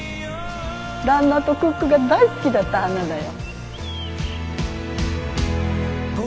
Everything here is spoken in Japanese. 旦那とクックが大好きだった花だよ。